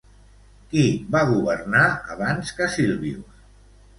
Qui va governar abans que Silvius?